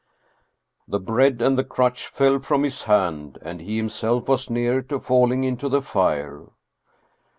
" The bread and the crutch fell from his hand, and he him self was near to falling into the fire.